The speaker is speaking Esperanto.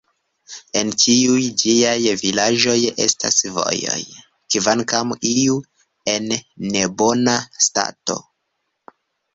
En ĉiuj ĝiaj vilaĝoj estas vojoj, kvankam iuj en nebona stato.